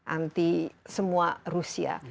anti semua rusia